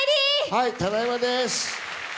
はい、ただいまです。